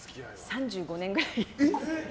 ３５年くらい。